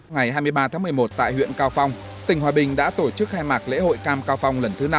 ngày hai mươi ba tháng một mươi một tại huyện cao phong tỉnh hòa bình đã tổ chức khai mạc lễ hội cam cao phong lần thứ năm